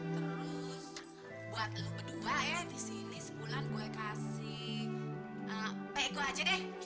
terus buat lu berdua ya di sini sebulan gue kasih pe gue aja deh